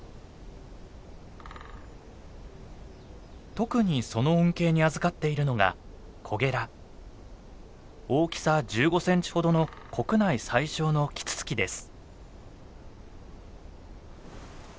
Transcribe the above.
特にその恩恵にあずかっているのが大きさ１５センチほどの国内最小のキツツキです。